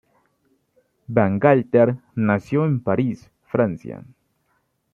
Bangalter nació en París, Francia.